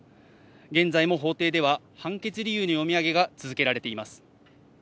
現在も法廷では判決理由の読み上げが続けられています。